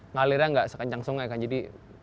ngalirnya nggak sekencang sungai kan jadi